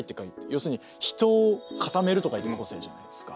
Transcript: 要するに「人」を「固める」と書いて「個性」じゃないですか。